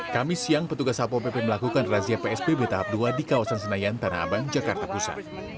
kamis siang petugas satpol pp melakukan razia psbb tahap dua di kawasan senayan tanah abang jakarta pusat